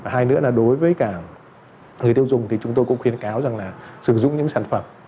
hai nữa là đối với cả người tiêu dùng thì chúng tôi cũng khuyên cáo rằng là sử dụng những sản phẩm